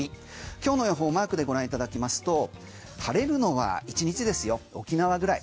今日の予報マークでご覧いただきますと晴れるのは１日ですよ沖縄ぐらい。